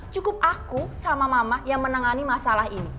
cukup aku sama mama yang menangani masalah ini